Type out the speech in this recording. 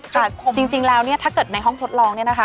แต่จริงแล้วเนี่ยถ้าเกิดในห้องทดลองเนี่ยนะคะ